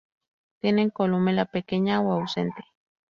Tienen columela pequeña o ausente.